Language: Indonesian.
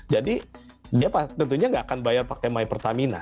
jadi dia tentunya nggak akan bayar pakai my pertamina